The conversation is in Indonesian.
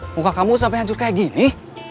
muka kamu sampai hancur kayak gini